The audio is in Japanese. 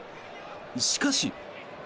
しかし。